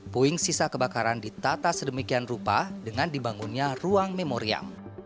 puing sisa kebakaran ditata sedemikian rupa dengan dibangunnya ruang memoriam